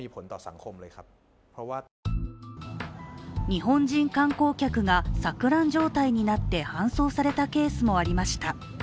日本人観光客が錯乱状態になって搬送されたケースもありました。